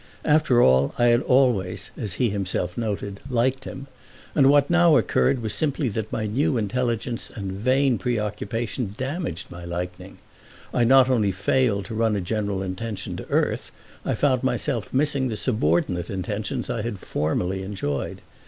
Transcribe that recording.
After all I had always, as he had himself noted, liked him; and what now occurred was simply that my new intelligence and vain preoccupation damaged my liking. I not only failed to run a general intention to earth, I found myself missing the subordinate intentions I had formerly enjoyed.